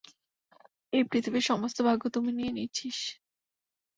এই পৃথিবীর সমস্ত ভাগ্য তুমি নিয়ে নিয়েছিস।